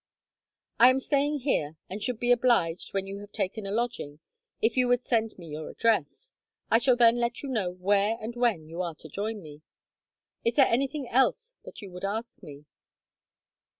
"I am staying here, and should be obliged, when you have taken a lodging, if you would send me your address. I shall then let you know where and when you are to join me. Is there anything else that you would ask me?"